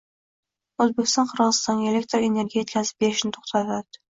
O‘zbekiston Qirg‘izistonga elektr energiya yetkazib berishni to‘xtatdi